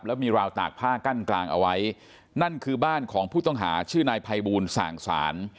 แล้วมีราวตากผ้ากั้นกลางเอาไว้นั่นคือบ้านของผู้ต้องหาชื่อนายภัยบูลส่างศาล